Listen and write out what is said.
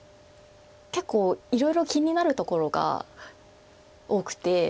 結構いろいろ気になるところが多くて。